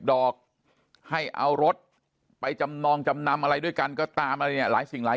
ดอกให้เอารถไปจำนองจำนำอะไรด้วยกันก็ตามอะไรเนี่ยหลายสิ่งหลาย